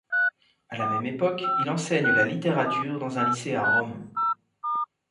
À la même époque, il enseigne la littérature dans un lycée à Rome.